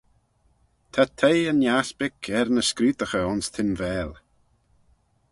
Ta teiy yn aspick er ny scrutaghey ayns Tinvaal.